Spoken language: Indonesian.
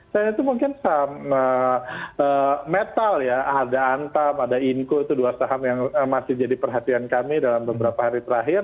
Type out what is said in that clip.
dan itu mungkin saham metal ya ada antam ada inco itu dua saham yang masih jadi perhatian kami dalam beberapa hari terakhir